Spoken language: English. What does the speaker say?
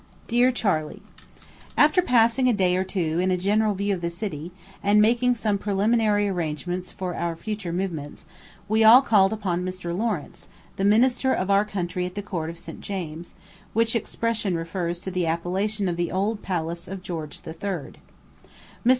DEAR CHARLEY: After passing a day or two in a general view of the city, and making some preliminary arrangements for our future movements, we all called upon Mr. Lawrence, the minister of our country at the court of St. James, which expression refers to the appellation of the old palace of George III. Mr.